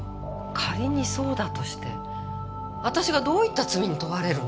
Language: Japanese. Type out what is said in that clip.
仮にそうだとして私がどういった罪に問われるんです？